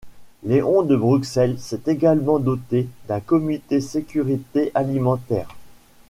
Léon de Bruxelles s’est également doté d’un Comité Sécurité Alimentaire.